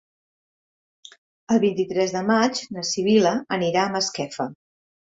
El vint-i-tres de maig na Sibil·la anirà a Masquefa.